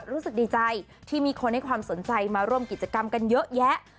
รู้สึกดีใจที่มีคนให้ความสนใจมาร่วมกิจกรรมกันเยอะแยะ